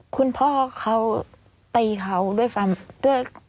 คุณพ่อเขาตีเขาด้วยฟัง